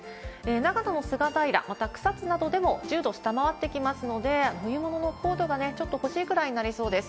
長野の菅平、また草津などでも１０度下回ってきますので、冬物のコートがちょっと欲しいくらいになりそうです。